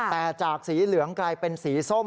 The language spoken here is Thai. แต่จากสีเหลืองกลายเป็นสีส้ม